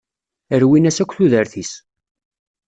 Rwin-as akk tudert-is.